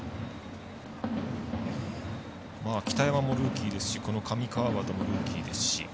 北山もルーキーですしこの上川畑もルーキーですし。